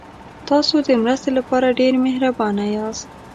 تاسو د مرستې لپاره ډېر مهربانه یاست.